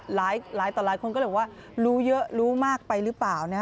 หลายต่อหลายคนก็เลยบอกว่ารู้เยอะรู้มากไปหรือเปล่านะ